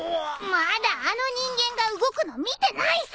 まだあの人間が動くの見てないさ。